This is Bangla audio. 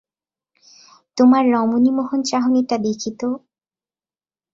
তোমার রমণী মোহন চাহনিটা দেখি তো।